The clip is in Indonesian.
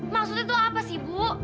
maksudnya itu apa sih bu